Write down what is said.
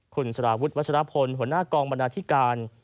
คุณสารวุฒิวัชรพลหัวหน้ากองบรรณาธิการ